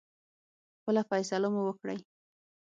خپله فیصله مو وکړی.